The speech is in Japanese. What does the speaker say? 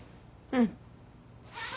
うん。